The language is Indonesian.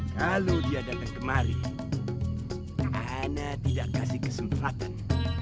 kalau dia datang kemari anda tidak kasih kesempatan